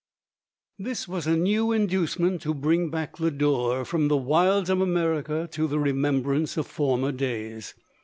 This was a new inducement to brino; back Lo dore from the wilds of America, to the remem brance of former days.